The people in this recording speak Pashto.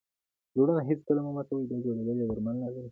زړونه هېڅکله مه ماتوئ! بیا جوړېدل ئې درمل نه لري.